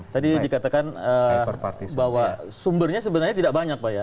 tadi dikatakan bahwa sumbernya sebenarnya tidak banyak pak ya